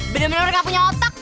bener bener gak punya otak